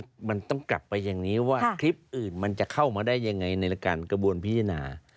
มันต้องกลับไปอย่างนี้ว่าคลิปอื่นมันจะเข้ามาได้ยังไงในการกระบวนพิจารณา